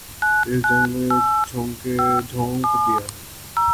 اس جنگ میں جھونک دیا۔